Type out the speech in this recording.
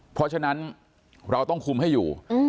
เพราะฉะนั้นเราต้องคุมให้อยู่